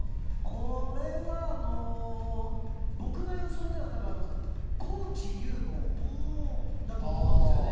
これは、僕の予想では高地優吾だと思うんですよね。